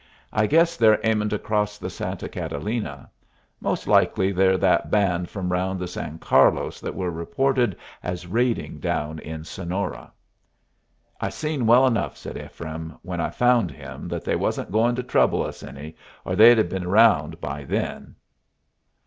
I guess they're aiming to cross the Santa Catalina. Most likely they're that band from round the San Carlos that were reported as raiding down in Sonora." "I seen well enough," said Ephraim, "when I found him that they wasn't going to trouble us any, or they'd have been around by then."